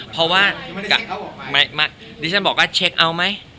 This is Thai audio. เพราะว่าดิฉันบอกว่าเช็คเอาไหม